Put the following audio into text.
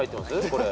これ。